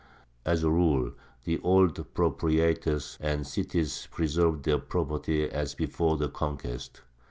As a rule the old proprietors and cities preserved their property as before the conquest.